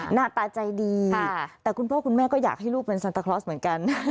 หน้าตาใจดีแต่คุณพ่อคุณแม่ก็อยากให้ลูกเป็นซันตาคลอสเหมือนกัน